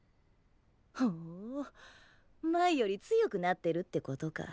ほう前より強くなってるってことか。